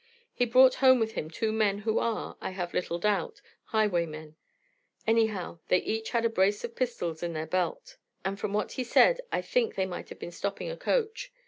He brought home with him two men who are, I have little doubt, highwaymen; anyhow, they each had a brace of pistols in their belt, and from what he said I think they have been stopping a coach.